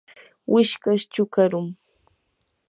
wishkash chukarum.